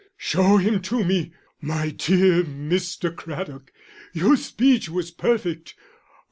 Show him to me.... My dear Mr. Craddock, your speech was perfect.